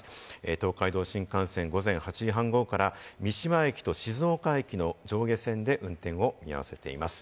東海道新幹線は午前８時半ごろから、三島駅と静岡駅の上下線で運転を見合わせています。